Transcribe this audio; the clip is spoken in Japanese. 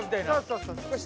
そうそうそう。